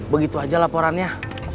begitu aja laporannya